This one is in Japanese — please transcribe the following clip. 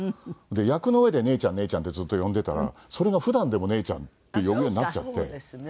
役の上で「姉ちゃん姉ちゃん」ってずっと呼んでたらそれが普段でも「姉ちゃん」って呼ぶようになっちゃって。